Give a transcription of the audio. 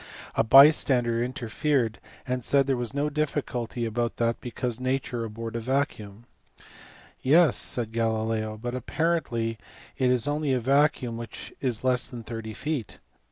A bystander interfered and said there was 110 difficulty about that because nature abhorred a vacuum. Yes, said Galileo, but apparently it is only a vacuum which is less than thirty feet.